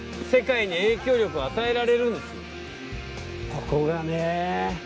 ここがね。